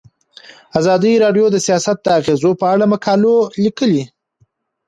ازادي راډیو د سیاست د اغیزو په اړه مقالو لیکلي.